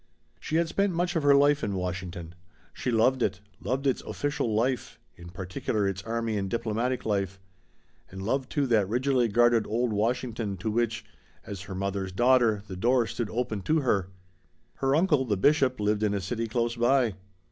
She had spent much of her life in Washington. She loved it; loved its official life, in particular its army and diplomatic life; and loved, too, that rigidly guarded old Washington to which, as her mother's daughter, the door stood open to her. Her uncle, the Bishop, lived in a city close by.